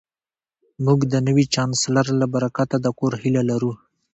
موږ د نوي چانسلر له برکته د کور هیله لرو